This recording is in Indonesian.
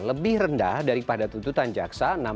lebih rendah daripada tuntutan jaksa